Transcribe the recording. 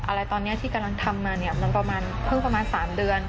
อะไรตอนนี้ที่กำลังทำมาเนี่ยมันประมาณเพิ่งประมาณ๓เดือน